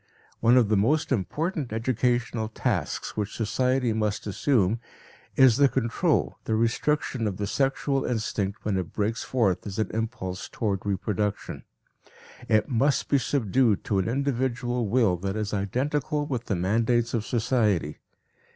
One of the most important educational tasks which society must assume is the control, the restriction of the sexual instinct when it breaks forth as an impulse toward reproduction; it must be subdued to an individual will that is identical with the mandates of society.